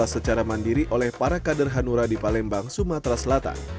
secara mandiri oleh para kader hanura di palembang sumatera selatan